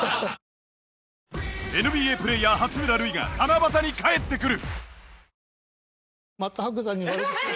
ＮＢＡ プレーヤー八村塁が七夕に帰ってくる！